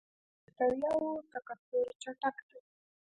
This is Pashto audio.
د بکټریاوو تکثر چټک دی.